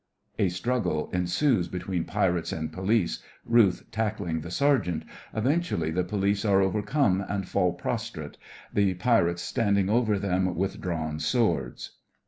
(A struggle ensues between Pirates and Police, RUTH tackling the SERGEANT. Eventually the Police are overcome and fall prostrate, the Pirates standing over them with drawn swords.)